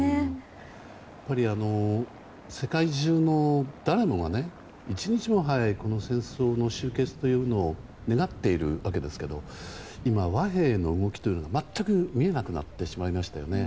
やっぱり、世界中の誰もが一日も早いこの戦争の終結というものを願っているわけですけど今、和平の動きが全く見えなくなってしまいましたよね。